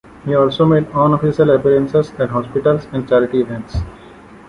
He also made unofficial appearances at hospitals and charity events.